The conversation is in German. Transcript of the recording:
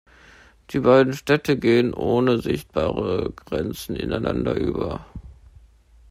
Die beiden Städte gehen ohne sichtbare Grenze ineinander über.